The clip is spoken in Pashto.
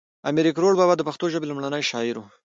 امیر کړوړ بابا د پښتو ژبی لومړی شاعر دی